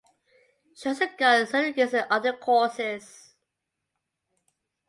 She also got certificates in other courses.